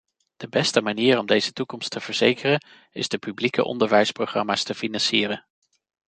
De beste manier om deze toekomst te verzekeren is de publieke onderwijsprogramma's te financieren.